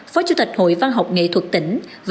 phó chủ tịch hội văn học nghệ thuật tỉnh